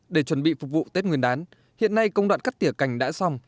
để chuẩn bị phục vụ tết nguyên đán hiện nay công đoạn cắt tỉa cành đã xong